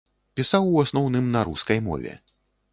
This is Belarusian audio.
Пісаў у асноўным на рускай мове.